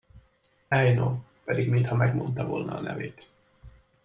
Ej no, pedig mintha megmondta volna a nevét!